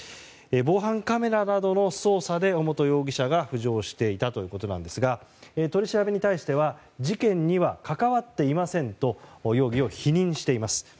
防犯カメラなどの捜査で尾本容疑者が浮上していたということなんですが取り調べに対しては事件には関わっていませんと容疑を否認しています。